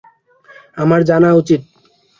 আমার জানা উচিত।